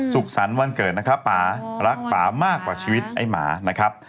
สุขสรรค์วันเกิดนะครับป่ารักป่ามากกว่าชีวิตไอ้หมานะครับ